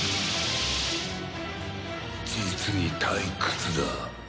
実に退屈だ。